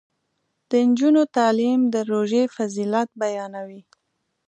د نجونو تعلیم د روژې فضیلت بیانوي.